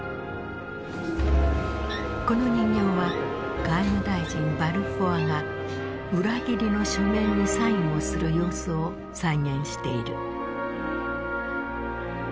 この人形は外務大臣バルフォアが裏切りの書面にサインをする様子を再現している。